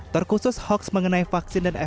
terkhusus hoax mengenai vaksin dan efektif